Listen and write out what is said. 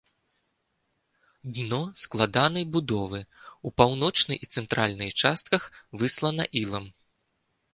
Дно складанай будовы, у паўночнай і цэнтральнай частках выслана ілам.